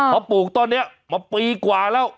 เขาปลูกต้นนี้มาปีกว่าแล้ว